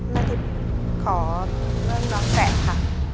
แล้วทิพย์ขอเรื่องน้องแกะค่ะ